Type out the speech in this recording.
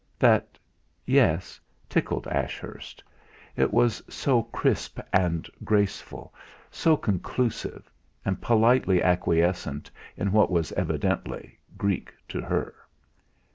That "Yes" tickled Ashurst. It was so crisp and graceful, so conclusive, and politely acquiescent in what was evidently. Greek to her.